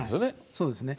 そうですね。